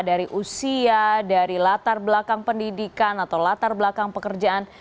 dari usia dari latar belakang pendidikan atau latar belakang pekerjaan